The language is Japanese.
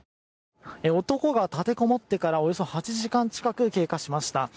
男が立てこもってからおよそ８時間近く経過しました。